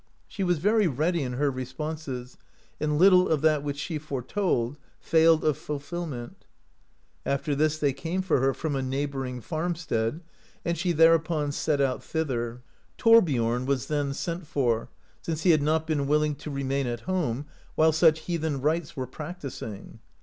She was very ready in her res* ponses, and little of that which she foretold failed of fulfillment. After this tliey came for her from a neigh bouring farmstead, and she thereupon set out thither. Thorbiorn was then sent for, since he had not been w^ill ing to remain at home while such heathen rites were practising.